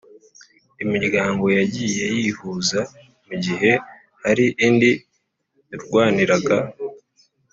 Imiryango yagiye yihuza mu gihe hari indi yarwaniraga